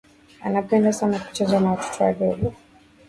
Anapenda sana kucheza na watoto wdogo